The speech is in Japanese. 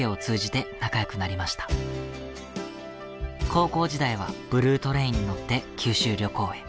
高校時代はブルートレインに乗って九州旅行へ。